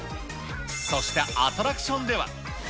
そして、アトラクションでは。